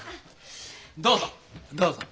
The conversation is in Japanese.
どうぞどうぞ。